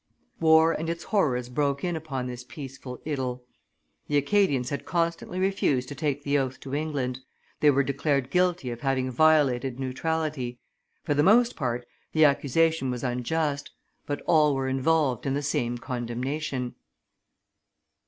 War and its horrors broke in upon this peaceful idyl. The Acadians had constantly refused to take the oath to England; they were declared guilty of having violated neutrality. For the most part the accusation was unjust; but all were involved in the same condemnation.